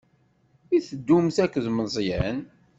I teddumt akked Meẓyan?